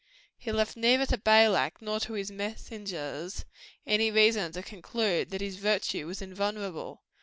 He left neither to Balak nor to his messengers, any reason to conclude that his virtue was invulnerable.